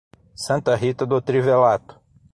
Santa Rita do Trivelato